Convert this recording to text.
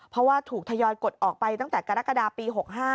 เพราะว่าถูกทยอยกดออกไปตั้งแต่กรกฎาปี๖๕